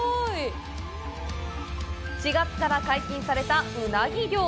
４月から解禁されたうなぎ漁。